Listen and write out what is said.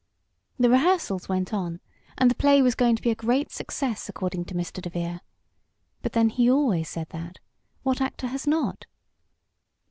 The rehearsals went on, and the play was going to be a great success, according to Mr. DeVere. But then he always said that. What actor has not?